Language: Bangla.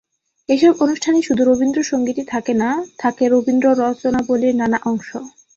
এসব অনুষ্ঠানে শুধু রবীন্দ্রসংগীতই থাকে না, থাকে রবীন্দ্র রচনাবলির নানা অংশ।